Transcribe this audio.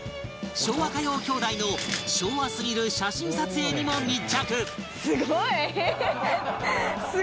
昭和歌謡きょうだいの昭和すぎる写真撮影にも密着